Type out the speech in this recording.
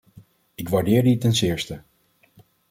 Ik waardeer die ten zeerste.